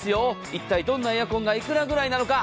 一体どんなエアコンがいくらぐらいなのか。